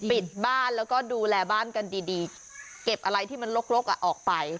ปิดบ้านแล้วก็ดูแลบ้านกันดีเก็บอะไรที่มันลกออกไป